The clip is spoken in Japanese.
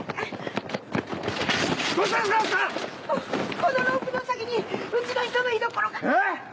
このロープの先にうちの人の居所が！